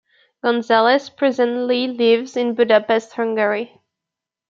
Gonzalez presently lives in Budapest, Hungary.